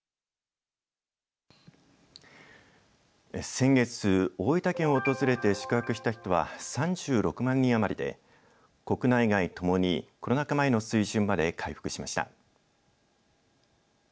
先月大分県を訪れて宿泊した人は３６万人余りで国内外ともにコロナ禍前の水準まで回復しました。